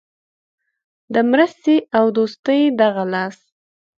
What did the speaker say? د مرستې او دوستۍ دغه لاس.